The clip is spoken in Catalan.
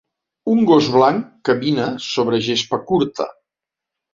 Un gos blanc camina sobre gespa curta.